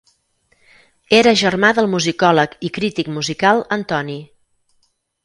Era germà del musicòleg i crític musical Antoni.